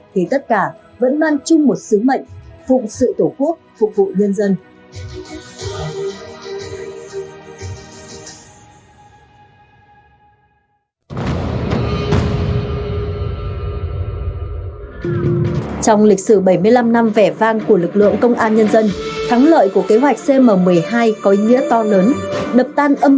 thì tất cả vẫn mang chung một sứ mệnh phụng sự tổ quốc phục vụ nhân dân